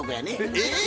えっ！